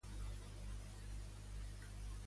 Com es titlla a si mateixos?